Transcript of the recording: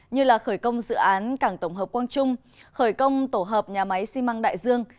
như là khởi công dự án cảng tổng hợp quang trung khởi công tổ hợp nhà máy xi măng đại dương